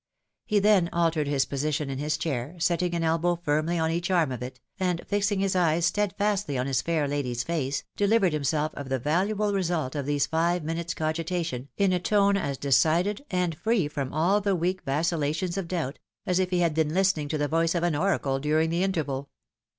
He then altered his posi tion in his chair, setting an elbow firmly on each arm of it, and fixing his eyes steadfastly on his fair lady's face, delivered him seK of the valuable result of these five minutes' cogitation, in a tone as decided, and free from aU the weak vacillations of doubt, as if he had been listening to the voice of an oracle during the interval.